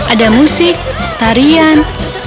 ada musik tarian